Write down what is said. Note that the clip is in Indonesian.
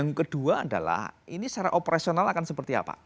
yang kedua adalah ini secara operasional akan seperti apa